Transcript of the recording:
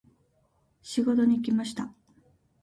仕事に行きました。